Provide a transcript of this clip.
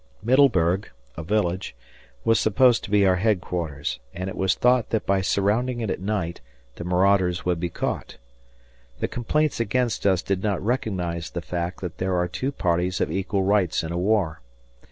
Middleburg, a village, was supposed to be our headquarters, and it was thought that by surrounding it at night the marauders could be caught. The complaints against us did not recognize the fact that there are two parties of equal rights in a war.